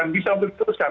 bisa untuk diteruskan